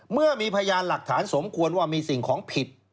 เมื่อมีพยานหลักฐานสมควรว่ามีสิ่งของผิด